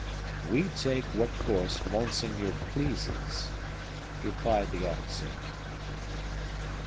"We take what course monseigneur pleases," replied the officer.